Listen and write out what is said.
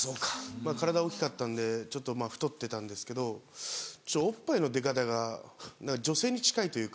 体大きかったんでちょっと太ってたんですけどおっぱいの出方が女性に近いというか。